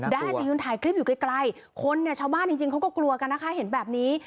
ได้แต่ยืนถ่ายคลิปอยู่ไกลคนเนี่ยชาวบ้านจริงเขาก็กลัวกันนะคะเห็นแบบนี้